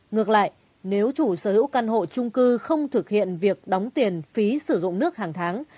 ngược lại nếu chủ sở hữu căn hộ trung cư không thực hiện việc đóng tiền phí sử dụng nước hàng tháng